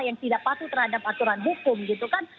yang tidak patuh terhadap aturan hukum gitu kan